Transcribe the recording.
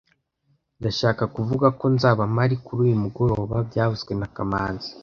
Ndashaka kuvuga ko nzaba mpari kuri uyu mugoroba byavuzwe na kamanzi